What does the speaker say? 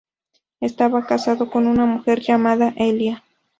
Estaba casado con una mujer llamada Elia.